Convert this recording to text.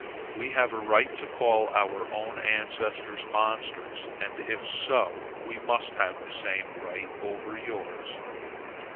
We have a right to call our own ancestors monsters; and, if so, we must have the same right over yours.